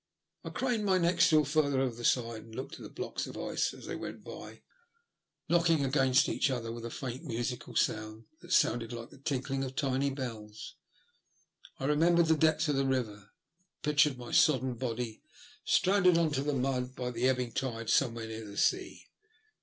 I craned my neck still further over the side, and looked at the blocks of ice as they went by, knocking against each other THE LUST OF HATE. 101 with a faint musical sound that sounded like the tinkling of tiny bells. I remembered the depth of the river, and pictured my sodden body stranded on to the mud by the ebbing tide somewhere near the sea.